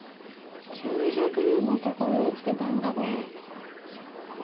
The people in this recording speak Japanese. ９００年もここに生きてたんだね。